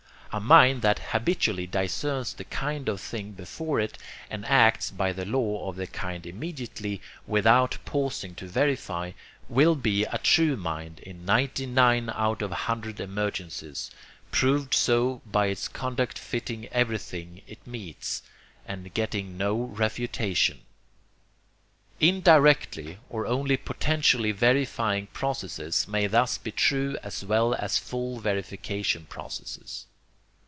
A mind that habitually discerns the kind of thing before it, and acts by the law of the kind immediately, without pausing to verify, will be a 'true' mind in ninety nine out of a hundred emergencies, proved so by its conduct fitting everything it meets, and getting no refutation. INDIRECTLY OR ONLY POTENTIALLY VERIFYING PROCESSES MAY THUS BE TRUE AS WELL AS FULL VERIFICATION PROCESSES.